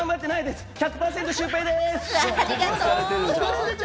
１００％シュウペイです！